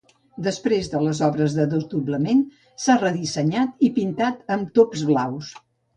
Després de les obres de desdoblament, s'ha redissenyat i pintat amb tops blaus.